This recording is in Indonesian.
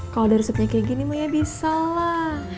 kalau ada resepnya kayak gini maya bisa lah